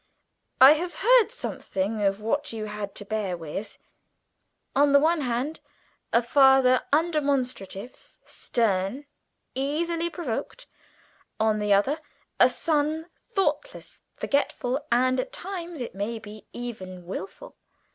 "I have heard something of what you had to bear with. On the one hand, a father, undemonstrative, stern, easily provoked; on the other, a son, thoughtless, forgetful, and at times it may be even wilful.